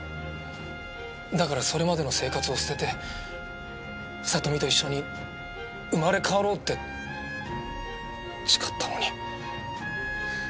だからそれまでの生活を捨てて里美と一緒に生まれ変わろうって誓ったのに。